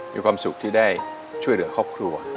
มีความสุขที่ได้ช่วยเหลือครอบครัว